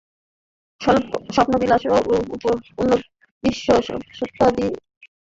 স্বপ্নবিলাস এবং ঊনবিংশ শতাব্দীর এই দাম্ভিকতার মধ্যে তফাত অনেক।